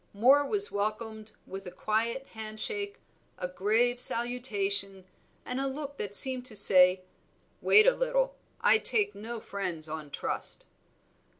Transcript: Moor was welcomed with a quiet hand shake, a grave salutation, and a look that seemed to say, "Wait a little, I take no friends on trust."